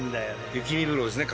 雪見風呂ですね